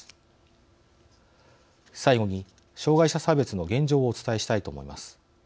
最後に障害者差別の現状をお伝えしたいと思います。